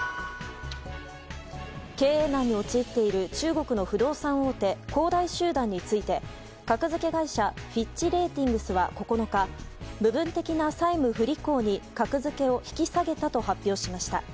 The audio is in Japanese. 経営難に陥っている中国の不動産大手恒大集団について格付け会社フィッチ・レーティングスは９日部分的な債務不履行に格付けを引き下げたと発表しました。